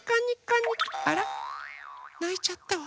ないちゃったわ。